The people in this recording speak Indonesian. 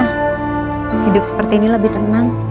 hidup seperti ini lebih tenang